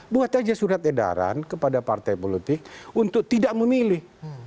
buat aja surat edaran kepada partai politik untuk tidak memilih